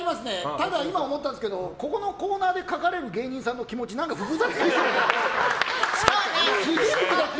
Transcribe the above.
ただ、今思ったんですけどこのコーナーで書かれる芸人さんの気持ち複雑ですね。